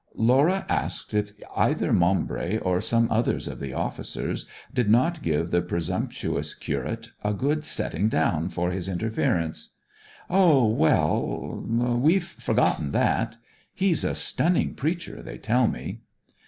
Laura asked if either Maumbry or some others of the officers did not give the presumptuous curate a good setting down for his interference. 'O well we've forgotten that. He's a stunning preacher, they tell me.'